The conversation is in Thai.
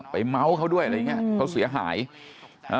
เมาส์เขาด้วยอะไรอย่างเงี้ยเขาเสียหายอ่า